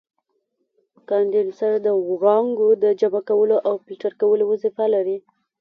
کاندنسر د وړانګو د جمع کولو او فلټر کولو وظیفه لري.